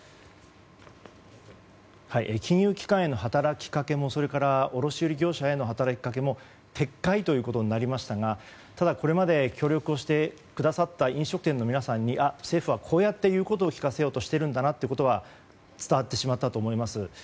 金融機関への働きかけもそれから卸販売業者への働きかけも撤回となりましたがただこれまで協力をしてくださった飲食店の皆様に政府はこうやって言うことを聞かせようとしているんだなということが伝わってしまったと思います。